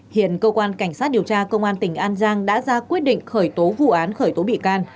hiện cơ quan cảnh sát điều tra công an tỉnh an giang đã ra quyết định khởi tố vụ án khởi tố bị can